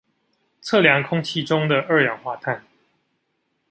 測量空氣中的二氧化碳